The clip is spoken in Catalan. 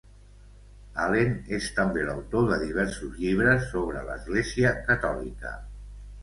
Allen és també l'autor de diversos llibres sobre l'Església catòlica.